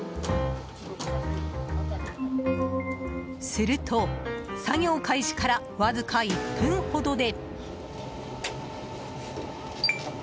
すると、作業開始からわずか１分ほどで。